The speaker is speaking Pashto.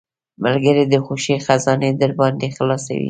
ملګری د خوښۍ خزانې درباندې خلاصوي.